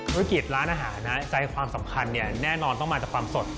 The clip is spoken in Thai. ธุรกิจร้านอาหารใจความสำคัญแน่นอนต้องมาจากความสด